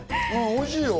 おいしいよ。